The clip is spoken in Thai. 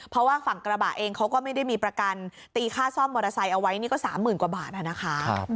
เพราะว่าฝั่งกระบะเองเขาก็ไม่ได้มีประกันตีค่าซ่อมมอเตอร์ไซค์เอาไว้นี่ก็๓๐๐๐กว่าบาทนะคะ